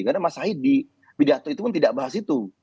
karena mas ahy di bidato itu pun tidak bahas itu